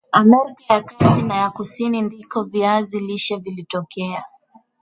Amerika ya Kati na ya Kusini ndiko viazi lishe vilitokea